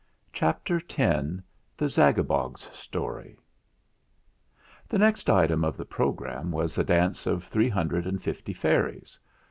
CHAPTER X THE ZAGABOG'S STORY The next item of the programme was a dance of three hundred and fifty fairies.